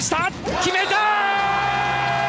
決めた！